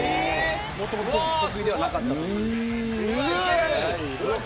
もともと得意ではなかった。